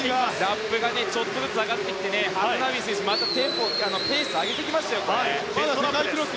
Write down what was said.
ラップがちょっとずつ上がってきてハフナウイ選手ペースを上げてきましたよ。